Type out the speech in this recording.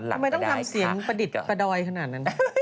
ทำไมต้องทำเสียงประดิษฐ์ประดอยขนาดนั้น